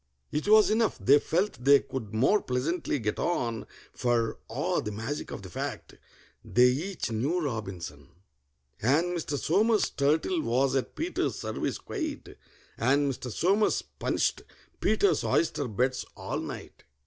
It was enough: they felt they could more pleasantly get on, For (ah, the magic of the fact!) they each knew ROBINSON! And Mr. SOMERS' turtle was at PETER'S service quite, And Mr. SOMERS punished PETER'S oyster beds all night.